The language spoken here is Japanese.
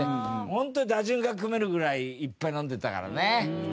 本当に打順が組めるぐらいいっぱい飲んでたからね。